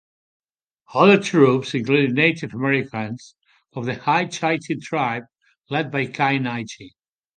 Other troops included Native Americans of the Hitchiti tribe, led by Kinache.